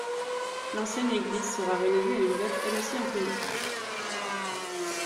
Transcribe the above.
L’ancienne église sera rénovée à une date elle aussi inconnue.